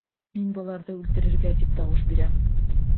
Мин быларҙы үлтерергә тип тауыш бирәм.